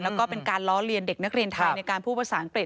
แล้วก็เป็นการล้อเลียนเด็กนักเรียนไทยในการพูดภาษาอังกฤษ